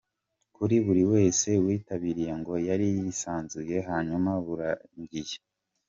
kuri buri wese witabiriye ngo yari yisanzuye hanyuma burangiye